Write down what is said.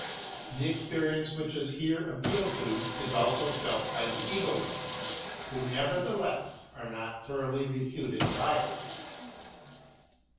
The experience which is here appealed to, is also felt by the Egoists, who nevertheless are not thoroughly refuted by it.